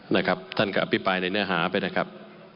นะครับท่านก็อภิปรายในเนื้อหาไปนะครับ